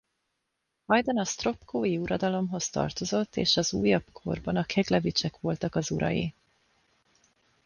Hajdan a sztropkói uradalomhoz tartozott és az újabb korban a Keglevichek voltak az urai.